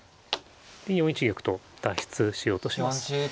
で４一玉と脱出しようとします。